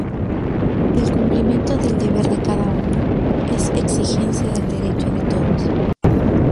El cumplimiento del deber de cada uno es exigencia del derecho de todos.